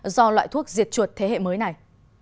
do loại thuốc diệt chuột thế hệ mới này